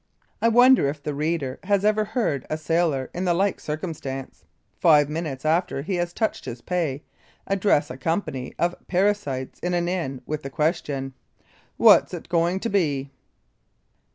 I wonder if the reader has ever heard a sailor in the like circumstance, five minutes after he has touched his pay, address a company of parasites in an inn with the question: "What's it going to be?"